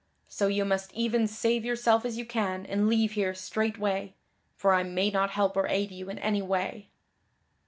So you must even save yourself as you can and leave here straightway, for I may not help or aid you in any way."